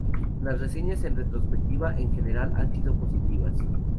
Las reseñas en retrospectiva en general han sido positivas.